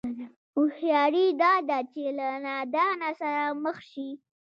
هوښياري دا ده چې له نادانه سره مخ شي.